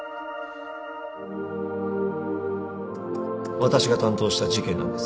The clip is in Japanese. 私が担当した事件なんです